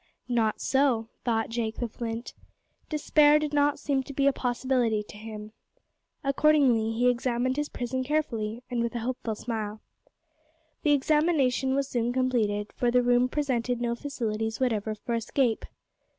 Not so thought Jake the Flint. Despair did not seem to be a possibility to him. Accordingly, he examined his prison carefully, and with a hopeful smile. The examination was soon completed, for the room presented no facilities whatever for escape.